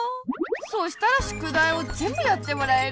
そしたらしゅくだいをぜんぶやってもらえる。